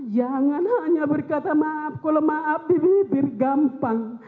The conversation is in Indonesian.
jangan hanya berkata maaf kalau maaf di bibir gampang